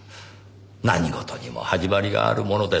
何事にも始まりがあるものです。